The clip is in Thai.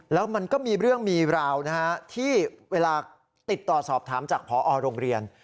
แล้วมันก็มีเรื่องมีราวนะฮะที่เวลาติดต่อสอบถามจากพอโรงเรียน